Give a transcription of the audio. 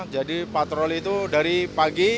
jadi patroli itu dari pagi